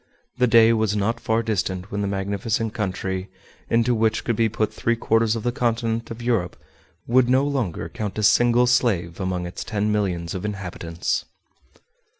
The day was not far distant when the magnificent country, into which could be put three quarters of the continent of Europe, would no longer count a single slave among its ten millions of inhabitants.